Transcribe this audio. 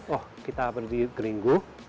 oh kita berdiri di gringo